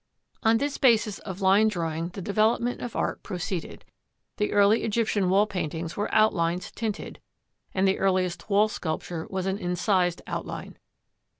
On this basis of line drawing the development of art proceeded. The early Egyptian wall paintings were outlines tinted, and the earliest wall sculpture was an incised outline.